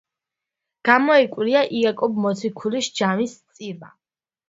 გამოიკვლია იაკობ მოციქულის „ჟამის წირვა“.